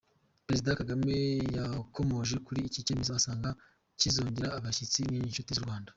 Perezida Kagame yakomoje kuri iki cyemezo asanga kizongera abashyitsi n’inshuti z’u Rwanda.